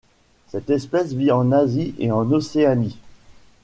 Cette espèce vit en Asie et en Océanie.